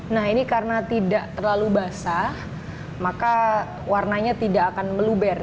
nah ini karena tidak terlalu basah maka warnanya tidak akan meluber